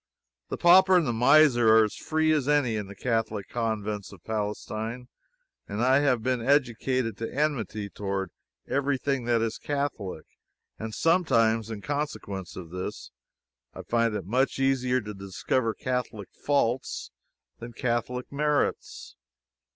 The pauper and the miser are as free as any in the Catholic Convents of Palestine. I have been educated to enmity toward every thing that is Catholic, and sometimes, in consequence of this, I find it much easier to discover Catholic faults than Catholic merits.